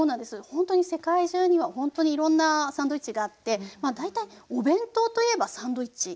ほんとに世界中にはほんとにいろんなサンドイッチがあってまあ大体お弁当といえばサンドイッチ。